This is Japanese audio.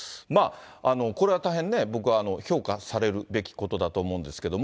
これは大変ね、僕は評価されるべきことだと思うんですけれども。